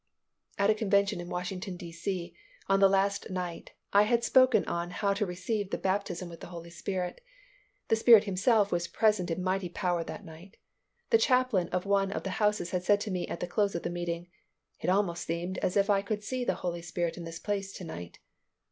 At a convention in Washington, D. C., on the last night, I had spoken on How to Receive the Baptism with the Holy Spirit. The Spirit Himself was present in mighty power that night. The chaplain of one of the houses had said to me at the close of the meeting, "It almost seemed as if I could see the Holy Spirit in this place to night."